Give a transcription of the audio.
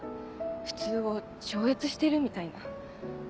「普通」を超越してるみたいな。